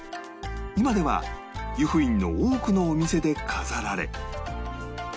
今では湯布院の多くのお店で飾られ